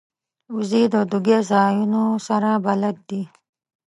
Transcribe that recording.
وزې د دوږی ځایونو سره بلد دي